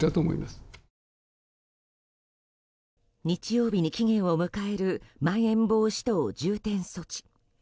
日曜日に期限を迎えるまん延防止等重点措置。